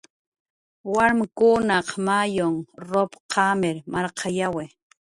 warmkunaq mayun rup qamir marqayawi